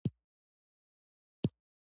آیا عضوي درمل پخپله جوړولی شم؟